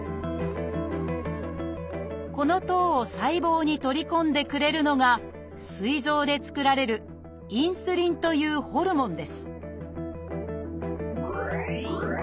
この糖を細胞に取り込んでくれるのがすい臓で作られる「インスリン」というホルモンです